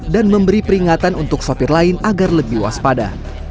dan memberi peringatan untuk sopir lain agar lebih waspada